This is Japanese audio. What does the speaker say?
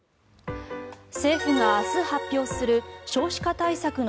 政府が明日発表する少子化対策の